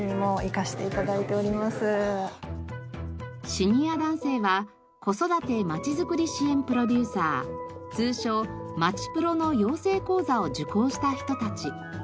シニア男性は子育て・まちづくり支援プロデューサー通称「まちプロ」の養成講座を受講した人たち。